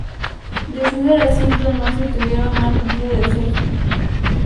Desde ese recinto no se tuvieron más noticias de Sergio.